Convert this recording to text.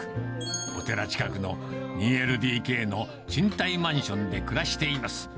お寺近くの２ＬＤＫの賃貸マンションで暮らしています。